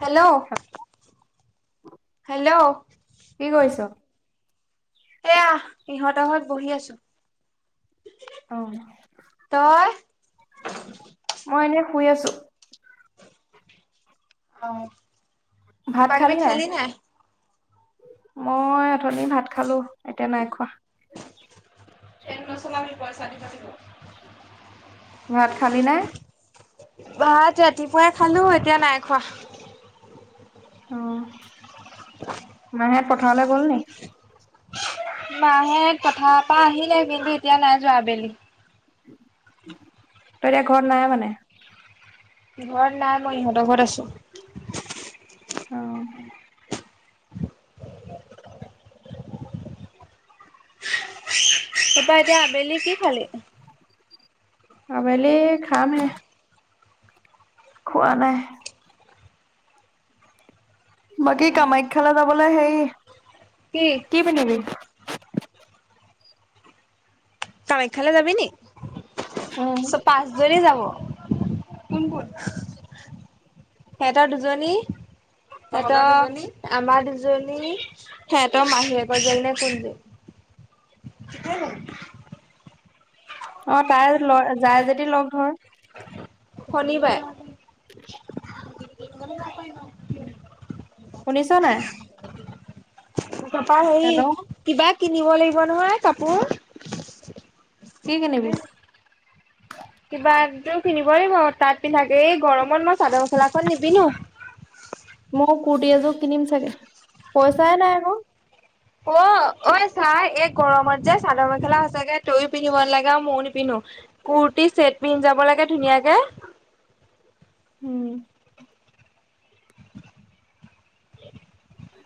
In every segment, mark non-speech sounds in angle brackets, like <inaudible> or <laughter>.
Hello. Hello. কি কৰিছ? এয়া ইহঁতৰ ঘৰত বহি আছোঁ। অ' মই এনে শুই আছোঁ। অ' কিবা কিবি খালি নাই। মই অথনি ভাত খালোঁ, এতিয়া নাই খোৱা। ফেন নচলাবি পইচা দিব লাগিব। ভাত খালি নে? ভাত ৰাতিপুৱাই খালোঁ এতিয়া নাই খোৱা। অ' মাহে পথাৰলৈ গ'ল নেকি। মাহে পথাৰৰ পৰা আহিলে কিন্তু এতিয়া নাই যোৱা আবেলি। তই এতিয়া ঘৰত নাই মানে। ঘৰত নাই মই ইহঁতৰ ঘৰত আছোঁ। অ'। তাৰপৰা এতিয়া আবেলি কি খালি? আবেলি খামহে। খোৱা নাই। বাকী কামাখ্যালৈ যাবলৈ হেৰি কি পিন্ধিবি। কামাখ্যালৈ যাবি নি, উম, পাঁচজনী যাব। সিহঁতৰ দুজনী। সিহঁতৰ আমাৰ দুজনী সিহঁতৰ মাহীয়েকৰ জীয়েক নে কোন <unintelligible> <unintelligible> <inaudible> অ' তাই ল যাই যদি লগ ধৰ। শনিবাৰ। শুনিছোঁ নাই। তাৰপৰা হেৰি, হেল্ল', কিবা কিনিব লাগিব নহয় কাপোৰ। কি কিনিবি? কিবা একযোৰ কিনিব লাগিব তাত পিন্ধাকে এই গৰমত মই চাদৰ মেখেলাখন নিপিন্ধো। মই কুুৰটি এযোৰ কিনিম চাগে, পইচাই নাই আকৌ। অ', ঐ চাই এই গৰমত যে চাদৰ-মেখেলা সচাগে তয়ো পিন্ধিব নালাগে আৰু ময়ো নিপিন্ধো। কুৰ্তি চেট পিন্ধ যাব লাগে ধুনীয়াকে। উম। উ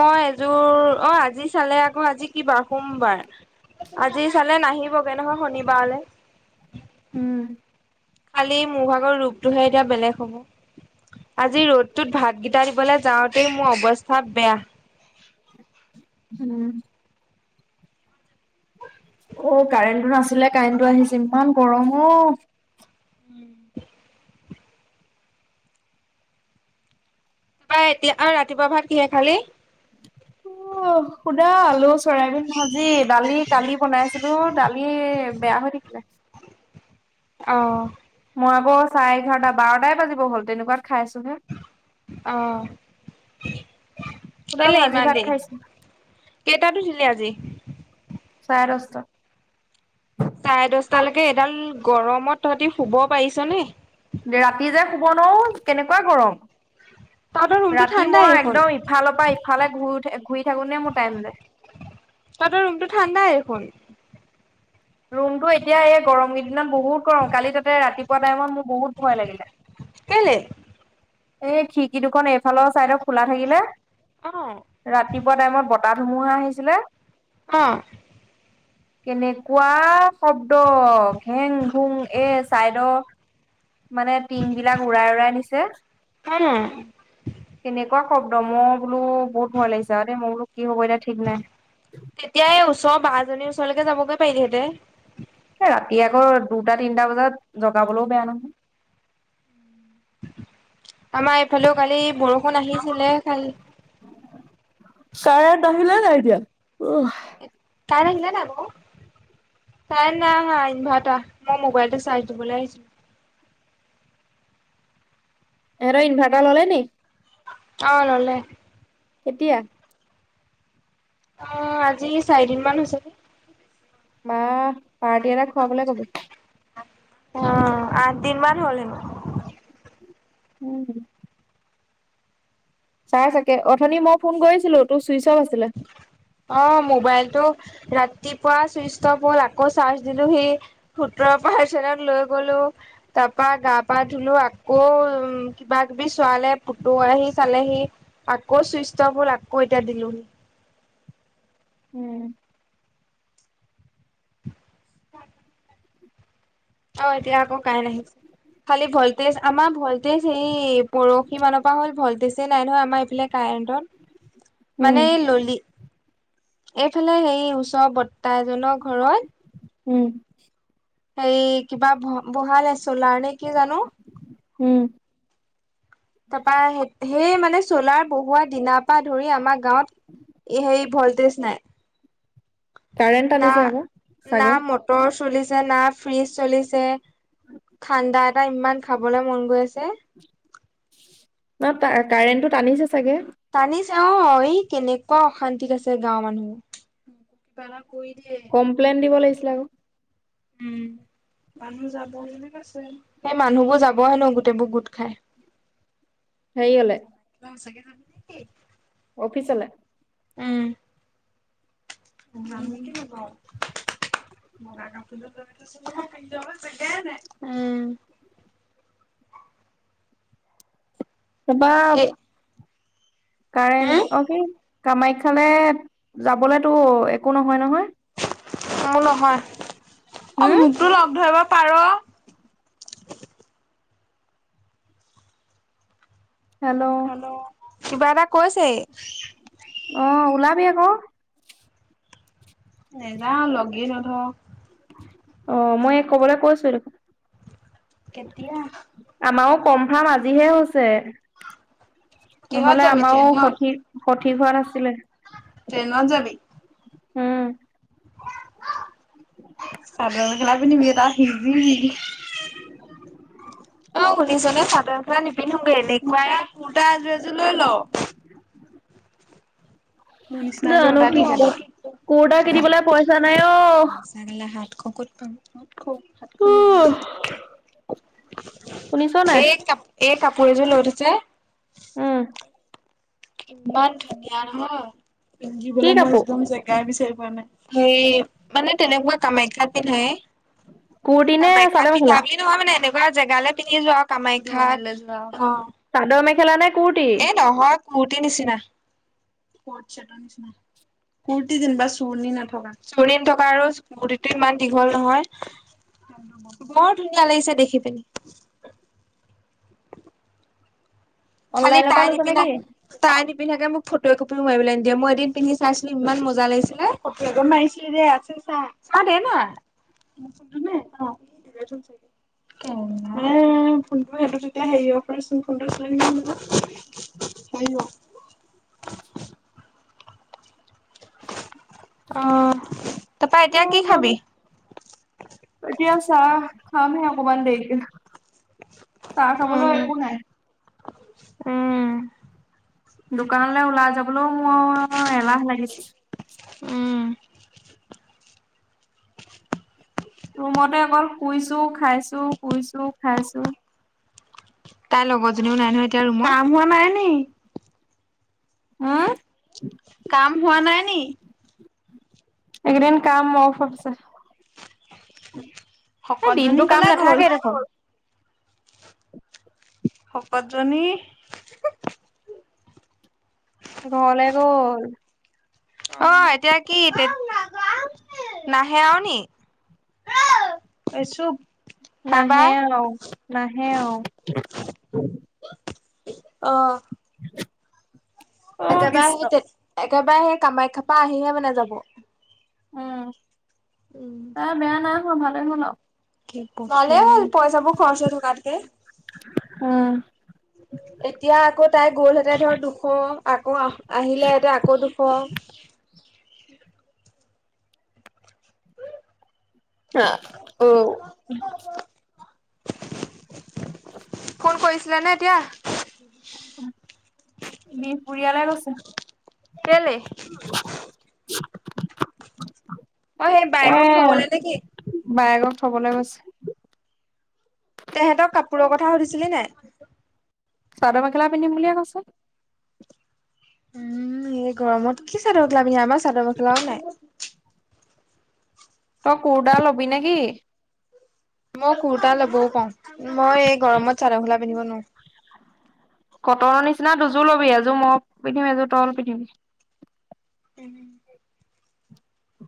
মই এযোৰ অ', জি চালে আকৌ আজি কি বাৰ? সোমবাৰ। আজি চালে নাহিবগে নহয় শনিবাৰলে। উম। খালি মোভাগৰ ৰূপটোহে এতিয়া বেলেগ হ'ব। আজি ৰ'দটোত ভাতগেইটা দিবলৈ যাওঁতেই মোৰ অৱস্থা বেয়া। উম। ঔ, কাৰেণ্টটো নাছিলে কাৰেণ্টটো আহিছে ইমান গৰম অ'। উম তা এতিয়া আৰু ৰাতিপুৱা ভাত কিহে খালি? অ', শুদা আলু চয়াবিন ভাজি, দালি কালি বনাইছিলো দালি বেয়া হৈ থাকিলে। অ'। <unintelligible> চাৰে এঘাৰটা বাৰটাই বাজিব হ'ল তেনেকুৱা খাইছোহে। অ', সুদা কেলে ভাজি ইমান ভাত দেৰি? খাইচ'। কেইটাত উঠিলি আজি? চাৰে দচটা। চাৰে দচটালেকে এডাল গৰমত তহঁতি শুব পাৰিছ নে? ৰাতি যে শুব নোৱাৰো কেনেকুৱা গৰম। তহঁতৰ ৰুমটো ৰাতি ঠাণ্ডাই মই দেখোন, একদম ইফালৰ পৰা ইফালে ঘূৰু-ঘূৰি থাকোতে মোৰ টাইম যায়। তাতৰ ৰুমটো ঠাণ্ডাই দেখোন। ৰুমটো এতিয়া এই গৰম কিদিনত বহুত গৰম, কালি তাতে ৰাতিপুৱা টাইমত মোৰ বহুত ভয় লাগিলে। কেলে? এই খিৰিকি দুখন এইফালৰ চাইডৰ খোলা থাকিলে অ', ৰাতিপুৱা টাইমত বত তাহ ধুমুহা আহিছিলে অ'। কেনেকুৱা শব্দ ঘেং-ঘুং এ চাইদৰ মানে টিং বিলাক উৰাই-উৰাই নিছে। অ'। কেনেকুৱা শব্দ মই বোলো বহুত ভয় লাগিছে আৰু দে মই বোলো কি হ'ব এতিয়া ঠিক নাই তেতিয়া এই ওচৰৰ বাজনীৰ ওচৰলৈকে যাবগে পাৰিলেহেঁতেন। এ ৰাতি আকৌ দুটা-তিনটা বজাত জগাবলৈও বেয়া নহয়। আমাৰ এইফালেও কালি বৰষুণ আহিছিলে কা চাৰেণ্ট আহিল নে নাই এতিয়া? উহ <unintelligible> কাৰেন্ট নাই অহা ইনভাটাৰ মই মোবাইলতো চাৰ্জ দিবলৈ আহিছো। এহেতৰ ইনভাৰটাৰ ল'লে নি? অ', ললে। কেতিয়া? অ', আজি চাৰিদিন মান হৈছে। <unintelligible> পাৰ্টি এটা খুৱাবলে কবি। অ', আঠ দিন মান হ'ল হেনো। উম। ছাৰ চাগে, অথনি মই ফোন কৰিছিলো তোৰ চুইচঅফ আছিলে। অ', মোবাইলটো ৰাতিপুৱা চুইচ অফ হ'ল আকৌ চাৰ্জ দিলো সেই সোতৰ পাৰচেনট লৈ গ'লো, তাৰপা গা পা ধুলো আকৌ উ কিবাকিবি চোৱা লে পুতু আহি চালেহি, আকৌ চুইষ্ট অফ হ'ল, আকৌ এতিয়া দিলোহি উ। অ', এতিয়া আকৌ কাৰেণ আহিছে। খালি ভল্টেজ, আমাৰ ভল্টেজ হেই, পৰখি মানৰ পৰা হ'ল ভল্টেজে নাই নহয় আমাৰ এইফালে কাৰেণ কাৰেণ্টত, উম মানে ললি। এইফালে হেয়ি, ওচৰ বৰ্তা এজনৰ ঘৰত উ। হেৰি, কিবা বহালে চ'লাৰ নে কি জানো! উ। তাৰপা, সেই মানে চ'লাৰ বহুৱা দিনাৰ পৰা ধৰি আমাৰ গাঁৱত এ, হেয়ি, ভল্টেজ নাই। কাৰেণ্ট না, টানিছে আকৌ না চাগে মটৰ চলিছে না ফ্ৰিজ চলিছে। ঠাণ্ডা এটা ইমান খাবলৈ মন গৈ আছে। ন, তা কাৰেণ্টটো টানিছে চাগে। টানিছে অ', ই কেনেকুৱা অশান্তিত আছে গাঁৱৰ মানুহ। কমপ্লেইন দিব লাগিছিলে আক'। উ। মানুহ যাব বুলি কৈছে। সেই মানুহবোৰ যাব হেনো গোটেইবোৰ গোট খাই। হেৰিয়লে কিবা সচাঁকে যাবি নে কি? অফিচলে? উ। <unintelligible> <inaudible> বগা কাপোৰ যোৰ লৈ লৈছো নহয়, পিন্ধি যাবলৈ জেগাই নাই। উ। এবাব। এ হুম? কাৰেণ্ট, অ', কি, কামাখ্যালে যাবলেতো একো নহয় নহয়? মো নহয়, অ', হুম মোকটো লগ ধৰিব পাৰ। হেল্ল! কিবা এটা কৈছে এই। অ', ওলাবি আক'। নেযাওঁ, লগেই নধৰ। অ', মই এইক কবলৈ কৈছোৱে দেখোন। কেতিয়া? আমাৰো কমফাৰ্ম আজিহে হৈছে। কিহত নহ'লে যাবি আমাও ট্ৰেইনত? সঠিক, সঠিক হোৱা নাছিলে। ট্ৰেনত যাবি? উ। চাদৰ-মেখেলা পিন্ধিবি তাত, সিজিবি। অ', শুনিছনেে, চাদৰ মেখেলা নিপিন্ধোংগে। এনেকুৱা কুৰ্তা এজোৰ এজোৰ লৈ ল। মোৰ নিচিনা এযোৰ জানো অৰ্দাৰ কি দি দে কম তই। কুৰ্তা কিনিবলে পইচা নাই অ <unintelligible> কক'ত পাম <unintelligible> শুনিছ নাই এই কাপ, এই কাপোৰ এযোৰ লৈ থৈছে। উ। ইমান ধুনীয়া নহয়, কি পিন্ধিবলে মই কাপোৰ একদম জেগাই বিচাৰি পোৱা নাই। হেৰি, মানে তেনেকুৱা কামাখ্যাত পিন্ধায়ে। কুৰ্তি নে কামাখ্যাত চাদৰ মেখেলা পিন্ধা বুলি নহয় মানে, এনে পোৰা জেগালৈ পিন্ধি যোৱা কামাখ্যাত, অ'। চাদৰ-মেখেলা নে। কুৰ্তি? এই নহয় কূৰ্তিৰ নিচিনাৰ কূৰ্তি যেনিবা চুৰণি নথকা চুৰণি নথকা আৰু কূৰ্তিটো ইমান দীঘল নহয়। বৰ ধুনীয়া লাগিছে দেখি পিনে। <inaudible> খালি অনলাইনৰ পৰা তাই লৈছা নিপিন্ধা, নেকি? তাই নিপি নিপিন্ধাকে মোক ফটোৰ একপিও মাৰিবলৈ নিদিয়ে, মই এদিন পিন্ধি চাইছিলো ইমান মজা লাগিছিলে, ফটো এখন মাৰিছিলি দে আছে। চাহ, চা দে না। নাই ফোনটো সিহঁত তেতিয়া হেৰি অফাৰোন ফোনটো চ কৰিব। অ', <unintelligible> তাৰপা এতিয়া কি খাবি? এতিয়া। চাহ খামহে অকমান দেৰিকে, চাহ খাবলৈ উম। একো নাই। উম। দোকানলৈ ওলাই যাবলৈও মোৰ এলাহ লাগিছে। উম, ৰুমতে অকল শুইছো, খাইছো, শুইছো, খাইছো। তাইৰ লগৰজনীও নাই নহয় এতিয়া ৰুমত কাম হোৱা নাই নে। হম। কাম হোৱা নাই নি? এইকেইদিন কাম অফ্ আছে। এই শকতজনী দিনতটো কাম কলে গ'ল? নাথাকে দেখোন। শকতজনী। ঘৰলে গ'ল। অ' এতিয়া কি নাহে আৰু নি। <inaudible> এই চুপ। হা বা। নাহে আৰু নাহে আৰু। অ'। <inaudible> একেবাৰে কৃষ্ণ, সেই তে একেবাৰে সেই কামাখ্যা পা আহিহে মানে যাব। উম, তাই বেয়া নাই হোৱা ভালেই হ'ল আৰু। ভাল হ'ল পইচা বোৰ খৰচ হৈ থকাতকৈ। <unintelligible> এতিয়া আকৌ তাই গ'লহেঁতে ধৰ দুশ আকৌ আহিলে হেতে আকৌ দুশ। <inaudible> হা অ'। ফোন কৰিছিলে নে এতিয়া? বিহপুৰীয়ালে গৈছে, কেলে? অ সেই এ বায়েকক থবলে নে কি? বায়েকক থ'বলৈ গৈছে। তেহেঁতক কাপোৰৰ কথা সুধিছিলি নে নাই? চাদৰ-মেখেলা পিন্ধিম বুলিয়ে কৈছে। উম, এই গৰমত কি চাদৰ-মেখেলা পিন্ধি আমাৰ চাদৰ-মেখেলাও নাই। তই কোৰটা লবি নেকি? মই কুুটা ল'বও পাওঁ, মই এই গৰমত চাদৰ মেখেলা পিন্ধিব নোৱাৰো। কটনৰ নিচিনা দুযোৰ লবি এযোৰ মই পিন্ধিম এযোৰ তল পিন্ধিবি।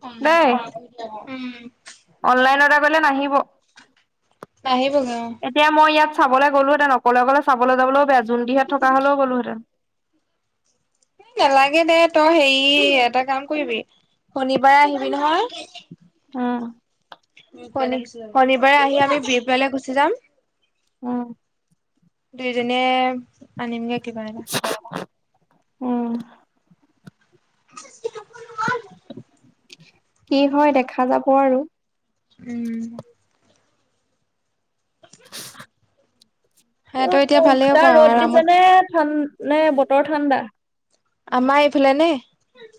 অনলাইন দেই অৰ্ডাৰ উম। এইফালে নাহিব। নাহিব। এতিয়া মই ইয়াত চাবলৈ গ'লো হেঁতেন অকলে অকলে চাবলৈ যাবলৈও বেয়া, জোনদিহাত থকা হ'লেও গ'লো হেঁতেন। ই নালাগে দে তই হেৰি এটা কাম কৰিবি। শনিবাৰে আহিবি নহয়। উম। শনিবাৰে আহি আমি বিৰপালে গুচি যাম। অ। দুইজনীয়ে আনিমগে কিবা এটা। অ। <unintelligible> কি হয় দেখা যাব আৰু। উম। উ সিহঁতৰ এতিয়া ভালেই হ'ব তাৰ ৰ'দ দিছে আৰামত নে-ন-নে বতৰ ঠাণ্ডা? আমাৰ এইফাল নে?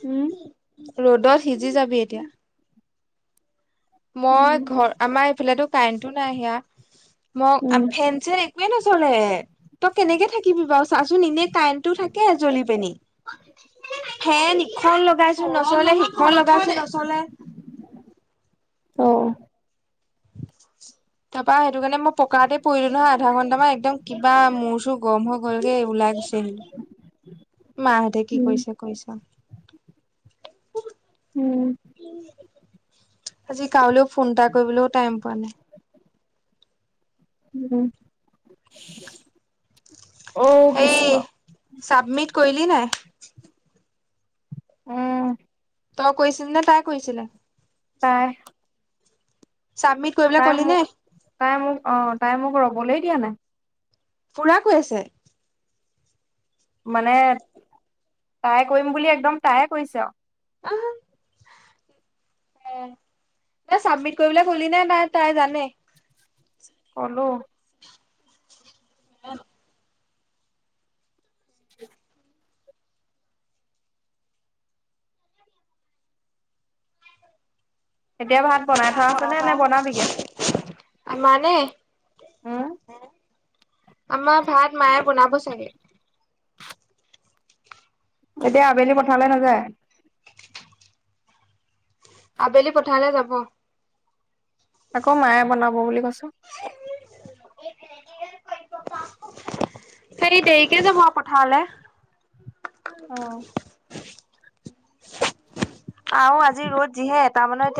উম। ৰ'দত সিজি যাবি এতিয়া। মই ঘৰ আমাৰ এইফালো কাৰেণ্টো নাই সিয়া। মোক উম ফেন-চেন একোৱে নচলে, তই কেনেকে থাকিবি বাৰু। চাচোন এনে টাইনটো থাকে জ্বলি পেনি ফেন ইখন লগাইছোন নচলে, সিখন লগাইছোন নচলে। অ। তাৰ পৰাা সেইটো কাৰণে মই পকাতে পৰিলো নহয় আধা ঘন্টা মান একদম কিবা মোৰ-চুৰ গম হৈ গলগে ওলাই গৈছে আহিলো। মাহঁতে কি উম কৰিছে কৰিছে। উম। আজি কাউলৈও ফোন এটা কৰিবলৈও টাইম পোৱা নাই। উম। অ হেই কৃষ্ণ। চাবমিট কৰিলি নে নাই? উম। তই কৈছিল নে তাই কৈছিলে? তাই। চাবমিট কৰিবলৈ তাই কলি মোক, নে তাই মোক অ তাই মোক ৰবলৈ দিয়া নাই। ফুৰা কৈ আছে। মানে তাই কৰিম বুলি একদম তাইে কৰিছে আৰু। <inaudible> উম চাবমিট কৰিব গলি নে তাই তাই জানে। কলো। <inaudible> কেতিয়া ভাত বনাই থোৱা আছে নে, নে বনাবিগে? আমাৰ নে? উম আমাৰ ভাত মায়ে বুনাব চাগে। এতিয়া আবেলি পঠালে নাযায়? আবেলি পথাৰলে যাব? আকৌ মায়ে বনাব বুলি কৈছো। <unintelligible> হেৰি দেৰিকে যাব পথাৰলে। অ <unintelligible> আহ আজি ৰ'দ যিহে, এটা মানৰ এতিয়া